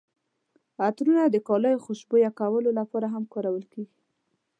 عطرونه د کالیو خوشبویه کولو لپاره هم کارول کیږي.